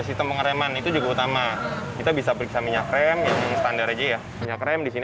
sistem pengereman itu juga utama kita bisa periksa minyak rem yang standar aja ya minyak rem di sini